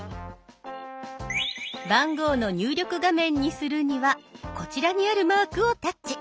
番号の入力画面にするにはこちらにあるマークをタッチ。